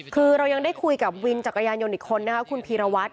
คือเรายังได้คุยกับวินจักรยานยนต์อีกคนนะคะคุณพีรวัตร